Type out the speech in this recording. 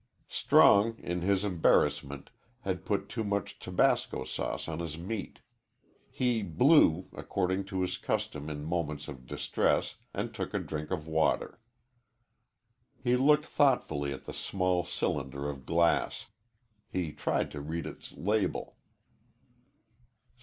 Strong in his embarrassment had put too much tabasco sauce on his meat. He blew, according to his custom in moments of distress, and took a drink of water. He looked thoughtfully at the small cylinder of glass. He tried to read its label.